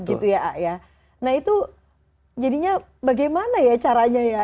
itu bagaimana caranya